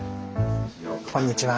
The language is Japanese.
こんにちは。